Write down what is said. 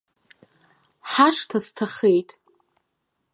Ҳашҭа сҭахеит.